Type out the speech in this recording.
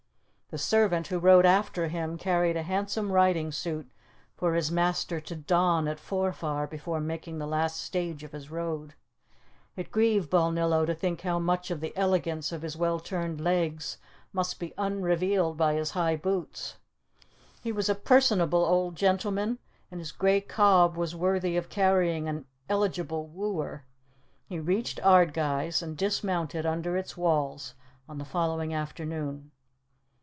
The servant who rode after him carried a handsome riding suit for his master to don at Forfar before making the last stage of his road. It grieved Balnillo to think how much of the elegance of his well turned legs must be unrevealed by his high boots. He was a personable old gentleman, and his grey cob was worthy of carrying an eligible wooer. He reached Ardguys, and dismounted under its walls on the following afternoon.